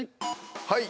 はい。